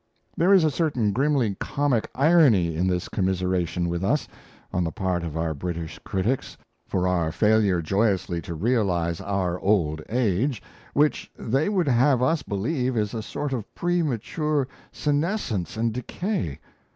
There is a certain grimly comic irony in this commiseration with us, on the part of our British critics, for our failure joyously to realize our old age, which they would have us believe is a sort of premature senescence and decay.